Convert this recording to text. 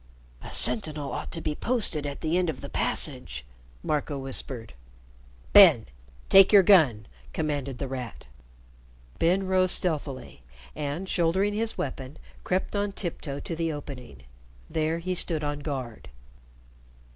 "A sentinel ought to be posted at the end of the passage," Marco whispered. "Ben, take your gun!" commanded The Rat. Ben rose stealthily, and, shouldering his weapon, crept on tiptoe to the opening. There he stood on guard.